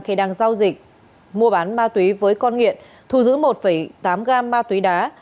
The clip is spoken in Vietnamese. khi đang giao dịch mua bán ma túy với con nghiện thu giữ một tám gam ma túy đá